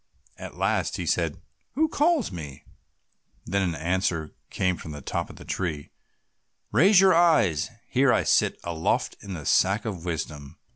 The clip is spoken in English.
At last he said, "Who calls me?" Then an answer came from the top of the tree, "Raise your eyes; here I sit aloft in the Sack of Wisdom.